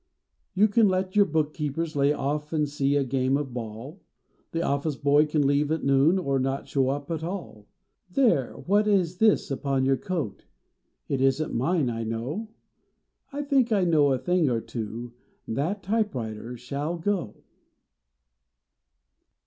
" "You can let your book keepers lay off and see a game of ball; The office boy can leave at noon or not show up at all. There what is this upon your coat? It isn t mine I know. I think I know a thing or two that typewriter shall go."